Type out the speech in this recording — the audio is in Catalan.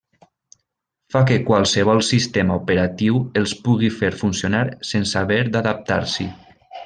Fa que qualsevol sistema operatiu els pugui fer funcionar sense haver d'adaptar-s'hi.